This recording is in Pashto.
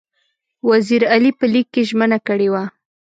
وزیر علي په لیک کې ژمنه کړې وه.